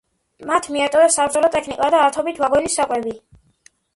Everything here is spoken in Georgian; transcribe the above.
მათ მიატოვეს საბრძოლო ტექნიკა და ათობით ვაგონი საკვები.